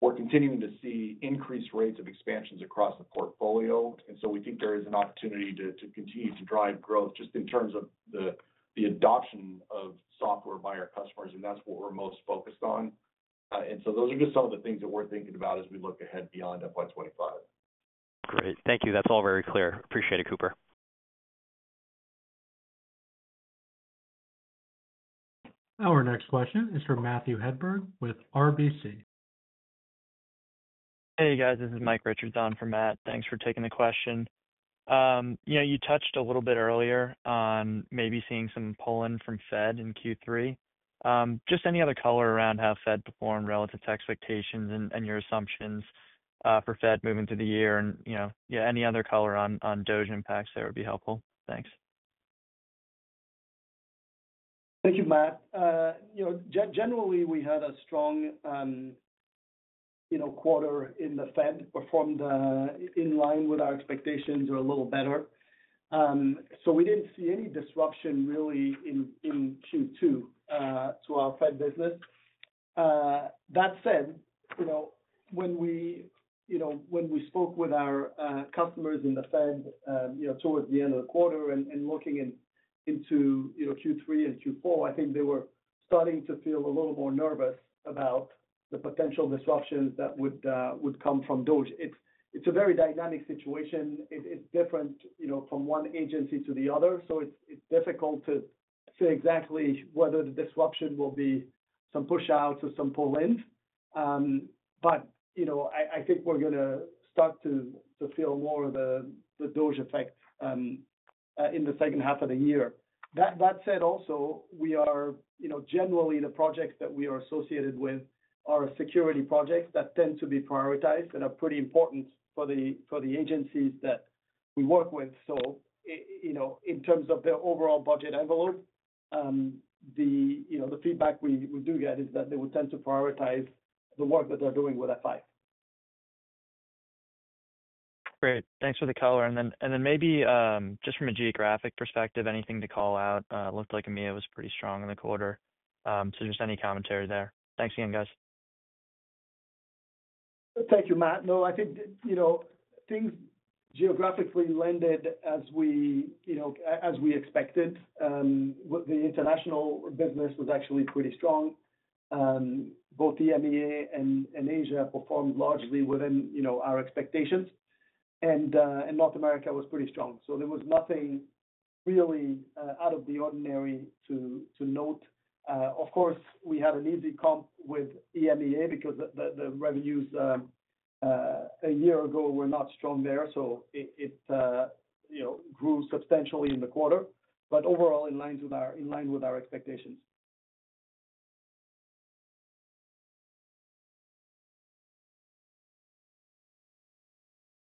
we're continuing to see increased rates of expansions across the portfolio. We think there is an opportunity to continue to drive growth just in terms of the adoption of software by our customers, and that's what we're most focused on. Those are just some of the things that we're thinking about as we look ahead beyond FY 2025. Great. Thank you. That's all very clear. Appreciate it, Cooper. Our next question is from Matthew Hedberg with RBC. Hey, guys. This is Mike Richards on from Matt. Thanks for taking the question. You touched a little bit earlier on maybe seeing some pull-in from Fed in Q3. Just any other color around how Fed performed relative to expectations and your assumptions for Fed moving through the year? Yeah, any other color on DOGE impacts there would be helpful. Thanks. Thank you, Mike. Generally, we had a strong quarter and the Fed performed in line with our expectations or a little better. We did not see any disruption really in Q2 to our Fed business. That said, when we spoke with our customers in the Fed towards the end of the quarter and looking into Q3 and Q4, I think they were starting to feel a little more nervous about the potential disruptions that would come from DOGE. It's a very dynamic situation. It's different from one agency to the other. So it's difficult to say exactly whether the disruption will be some push-outs or some pull-ins. But I think we're going to start to feel more of the DOGE effect in the second half of the year. That said also, generally, the projects that we are associated with are security projects that tend to be prioritized and are pretty important for the agencies that we work with. So in terms of the overall budget envelope, the feedback we do get is that they would tend to prioritize the work that they're doing with F5. Great. Thanks for the color. And then maybe just from a geographic perspective, anything to call out? It looked like EMEA was pretty strong in the quarter. So just any commentary there? Thanks again, guys. Thank you, Mike. No, I think things geographically landed as we expected. The international business was actually pretty strong. Both the EMEA and Asia performed largely within our expectations. North America was pretty strong. There was nothing really out of the ordinary to note. Of course, we had an easy comp with EMEA because the revenues a year ago were not strong there. It grew substantially in the quarter, but overall, in line with our expectations.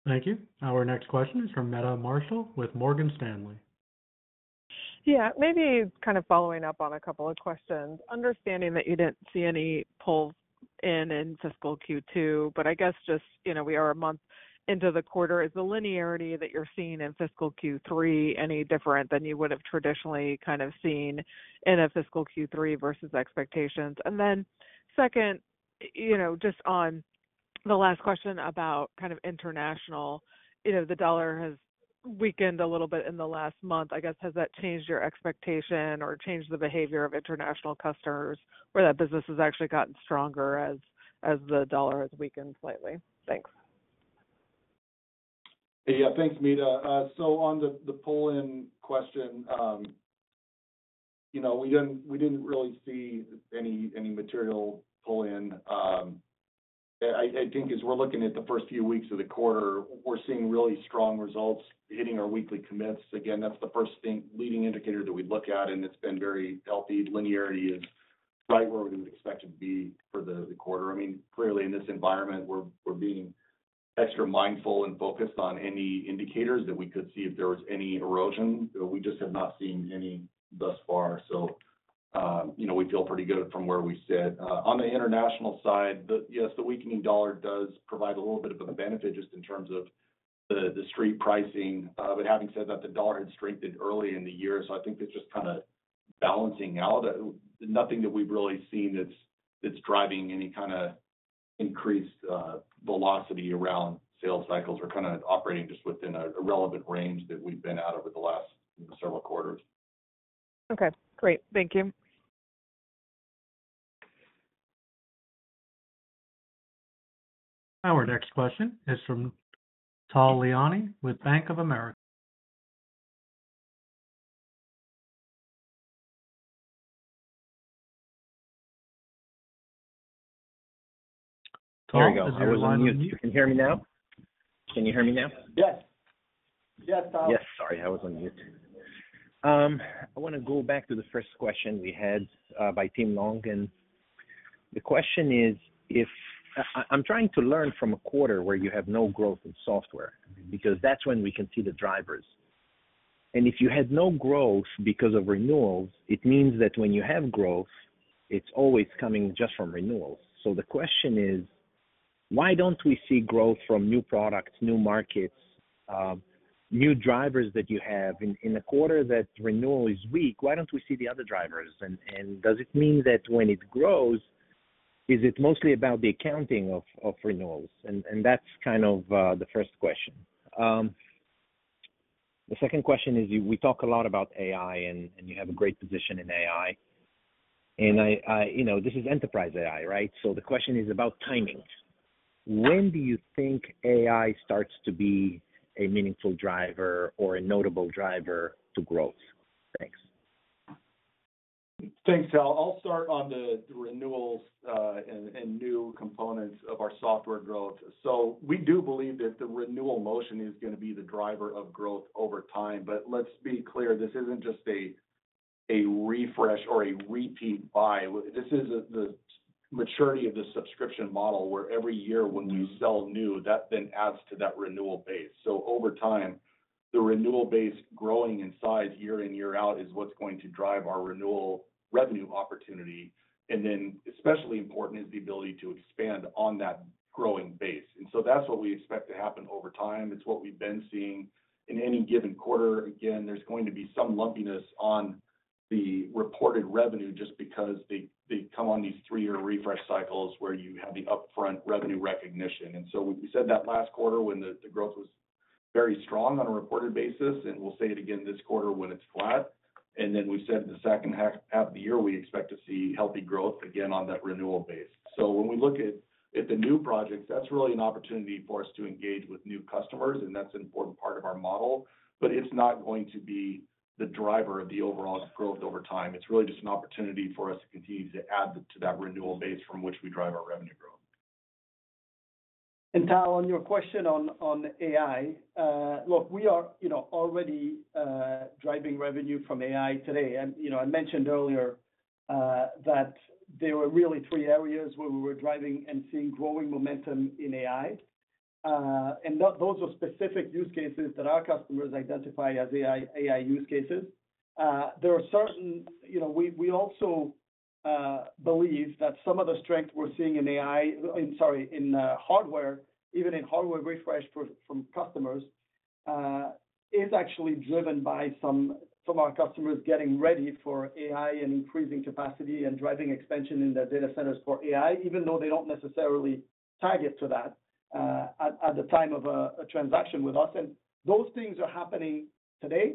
Thank you. Our next question is from Meta Marshall with Morgan Stanley. Yeah. Maybe kind of following up on a couple of questions. Understanding that you did not see any pulls in in fiscal Q2, but I guess just we are a month into the quarter. Is the linearity that you are seeing in fiscal Q3 any different than you would have traditionally kind of seen in a fiscal Q3 versus expectations? Then second, just on the last question about kind of international, the dollar has weakened a little bit in the last month. I guess, has that changed your expectation or changed the behavior of international customers where that business has actually gotten stronger as the dollar has weakened slightly? Thanks. Yeah. Thanks, Meta. On the pull-in question, we did not really see any material pull-in. I think as we are looking at the first few weeks of the quarter, we are seeing really strong results hitting our weekly commits. Again, that is the first leading indicator that we look at, and it has been very healthy. Linearity is right where we would expect it to be for the quarter. I mean, clearly, in this environment, we are being extra mindful and focused on any indicators that we could see if there was any erosion. We just have not seen any thus far. We feel pretty good from where we sit. On the international side, yes, the weakening dollar does provide a little bit of a benefit just in terms of the street pricing. Having said that, the dollar had strengthened early in the year. I think it's just kind of balancing out. Nothing that we've really seen is driving any kind of increased velocity around sales cycles or kind of operating just within a relevant range that we've been at over the last several quarters. Okay. Great. Thank you. Our next question is from Tal Liani with Bank of America. There you go. I was on mute. You can hear me now? Can you hear me now? Yes. Yes, Tal. Yes. Sorry. I was on mute. I want to go back to the first question we had by Tim Long. The question is, I'm trying to learn from a quarter where you have no growth in software because that's when we can see the drivers. If you had no growth because of renewals, it means that when you have growth, it's always coming just from renewals. The question is, why don't we see growth from new products, new markets, new drivers that you have? In a quarter that renewal is weak, why don't we see the other drivers? Does it mean that when it grows, is it mostly about the accounting of renewals? That's kind of the first question. The second question is, we talk a lot about AI, and you have a great position in AI. This is enterprise AI, right? The question is about timing. When do you think AI starts to be a meaningful driver or a notable driver to growth? Thanks. Thanks, Tal. I'll start on the renewals and new components of our software growth. We do believe that the renewal motion is going to be the driver of growth over time. Let's be clear, this isn't just a refresh or a repeat buy. This is the maturity of the subscription model where every year when we sell new, that then adds to that renewal base. Over time, the renewal base growing in size year in, year out is what's going to drive our renewal revenue opportunity. Especially important is the ability to expand on that growing base. That's what we expect to happen over time. It's what we've been seeing in any given quarter. Again, there's going to be some lumpiness on the reported revenue just because they come on these three-year refresh cycles where you have the upfront revenue recognition. We said that last quarter when the growth was very strong on a reported basis. We'll say it again this quarter when it's flat. We said the second half of the year, we expect to see healthy growth again on that renewal base. When we look at the new projects, that's really an opportunity for us to engage with new customers, and that's an important part of our model. It's not going to be the driver of the overall growth over time. It's really just an opportunity for us to continue to add to that renewal base from which we drive our revenue growth. Tal, on your question on AI, look, we are already driving revenue from AI today. I mentioned earlier that there were really three areas where we were driving and seeing growing momentum in AI. Those are specific use cases that our customers identify as AI use cases. We also believe that some of the strength we're seeing in AI, sorry, in hardware, even in hardware refresh from customers, is actually driven by some of our customers getting ready for AI and increasing capacity and driving expansion in their data centers for AI, even though they do not necessarily target to that at the time of a transaction with us. Those things are happening today.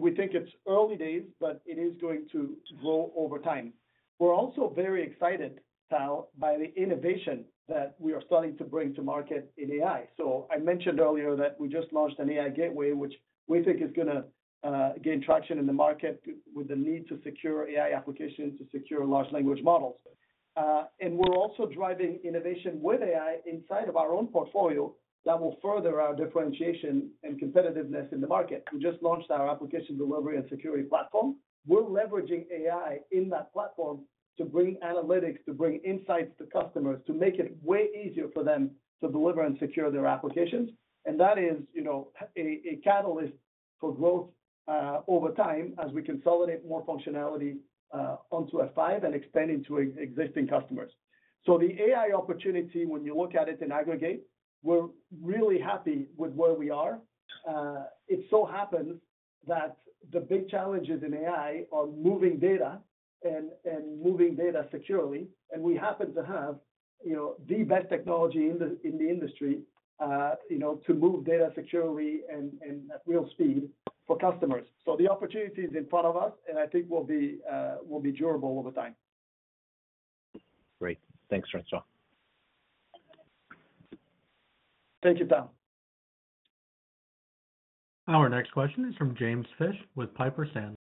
We think it is early days, but it is going to grow over time. We're also very excited, Tal, by the innovation that we are starting to bring to market in AI. I mentioned earlier that we just launched an AI Gateway, which we think is going to gain traction in the market with the need to secure AI applications to secure large language models. We're also driving innovation with AI inside of our own portfolio that will further our differentiation and competitiveness in the market. We just launched our Application Delivery and Security Platform. We're leveraging AI in that platform to bring analytics, to bring insights to customers, to make it way easier for them to deliver and secure their applications. That is a catalyst for growth over time as we consolidate more functionality onto F5 and expand into existing customers. The AI opportunity, when you look at it in aggregate, we're really happy with where we are. It so happens that the big challenges in AI are moving data and moving data securely. We happen to have the best technology in the industry to move data securely and at real speed for customers. The opportunity is in front of us, and I think it will be durable over time. Great. Thanks, François. Thank you, Tal. Our next question is from James Fish with Piper Sandler.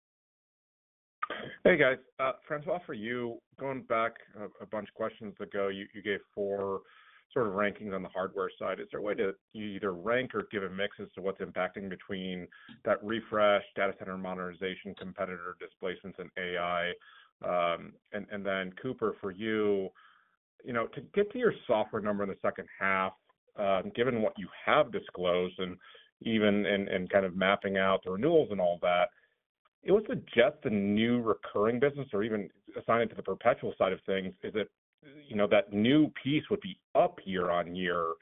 Hey, guys. François, for you, going back a bunch of questions ago, you gave four sort of rankings on the hardware side. Is there a way to either rank or give a mix as to what's impacting between that refresh, data center modernization, competitor displacements, and AI? Then, Cooper, for you, to get to your software number in the second half, given what you have disclosed and even in kind of mapping out the renewals and all that, is it just the new recurring business or even assigned to the perpetual side of things? Is it that new piece would be up year on year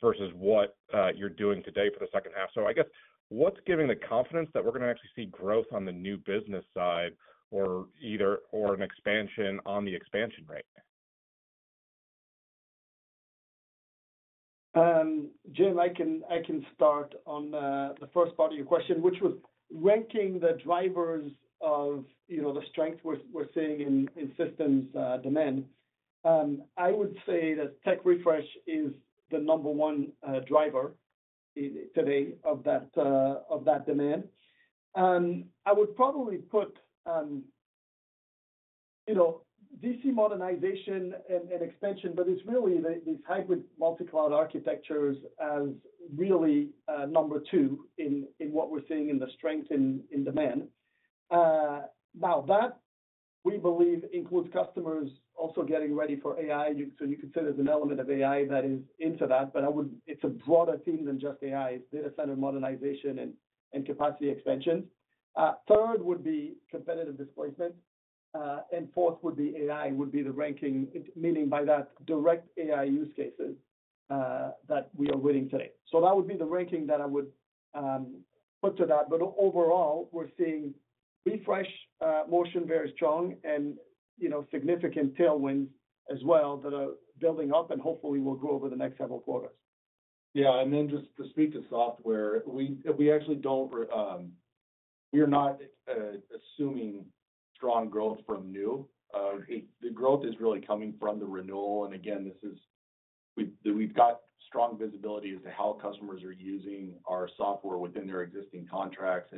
versus what you're doing today for the second half? I guess, what's giving the confidence that we're going to actually see growth on the new business side or an expansion on the expansion rate? Jim, I can start on the first part of your question, which was ranking the drivers of the strength we're seeing in systems demand. I would say that tech refresh is the number one driver today of that demand. I would probably put DC modernization and expansion, but it is really these hybrid multi-cloud architectures as really number two in what we are seeing in the strength in demand. Now, that, we believe, includes customers also getting ready for AI. You could say there is an element of AI that is into that. It is a broader theme than just AI. It is data center modernization and capacity expansions. Third would be competitive displacement. Fourth would be AI, would be the ranking, meaning by that direct AI use cases that we are winning today. That would be the ranking that I would put to that. Overall, we are seeing refresh motion very strong and significant tailwinds as well that are building up and hopefully will grow over the next several quarters. Yeah. Just to speak to software, we actually do not—we are not assuming strong growth from new. The growth is really coming from the renewal. Again, we've got strong visibility as to how customers are using our software within their existing contracts.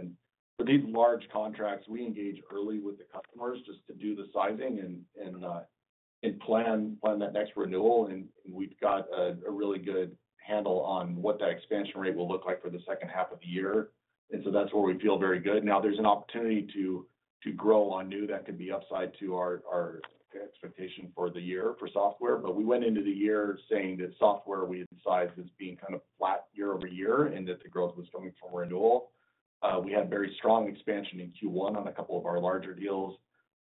For these large contracts, we engage early with the customers just to do the sizing and plan that next renewal. We've got a really good handle on what that expansion rate will look like for the second half of the year. That is where we feel very good. Now, there's an opportunity to grow on new that could be upside to our expectation for the year for software. We went into the year saying that software we had sized as being kind of flat year-over-year and that the growth was coming from renewal. We had very strong expansion in Q1 on a couple of our larger deals.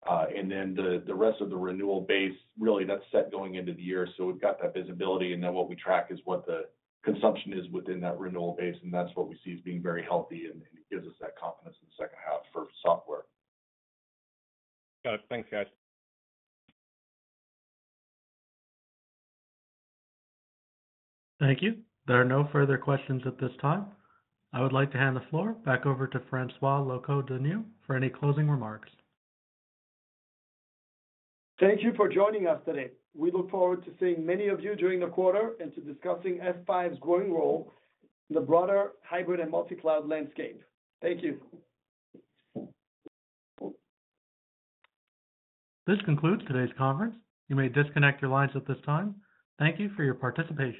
The rest of the renewal base, really, that's set going into the year. We have that visibility. What we track is what the consumption is within that renewal base. That is what we see as being very healthy. It gives us that confidence in the second half for software. Got it. Thanks, guys. Thank you. There are no further questions at this time. I would like to hand the floor back over to François Locoh-Donou for any closing remarks. Thank you for joining us today. We look forward to seeing many of you during the quarter and to discussing F5's growing role in the broader hybrid and multi-cloud landscape. Thank you. This concludes today's conference. You may disconnect your lines at this time. Thank you for your participation.